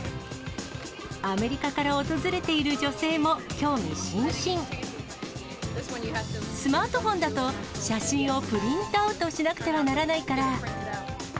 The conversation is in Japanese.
アメリカから訪れている女性スマートフォンだと、写真をプリントアウトしなくてはならないから。